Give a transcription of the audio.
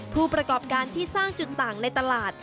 ผู้ประกอบการที่สร้างจุดต่างในตลาด